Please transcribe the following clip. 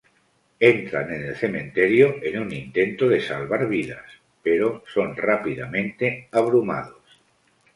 Entran en el cementerio en un intento de salvar vidas, pero son rápidamente abrumados.